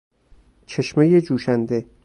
چشمهی جوشنده